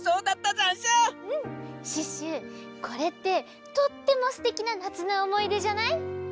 これってとってもすてきななつのおもいでじゃない？